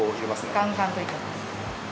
ガンガンと入れます。